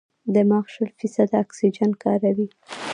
دماغ شل فیصده اکسیجن کاروي.